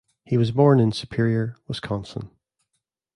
He was born in Superior, Wisconsin.